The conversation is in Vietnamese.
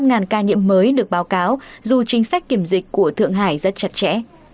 những ca mắc mới được báo cáo dù chính sách kiểm dịch của thượng hải rất chặt chẽ